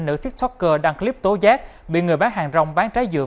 nữ tiktoker đăng clip tố giác bị người bán hàng rồng bán trái dừa